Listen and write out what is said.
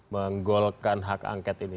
menggolkan hak angket ini